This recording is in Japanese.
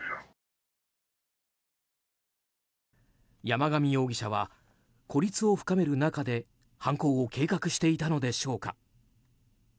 山上容疑者は孤立を深める中で犯行を計画していたのでしょうか。